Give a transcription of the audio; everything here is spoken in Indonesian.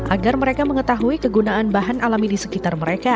agar mereka mengetahui kegunaan bahan alami di sekitar mereka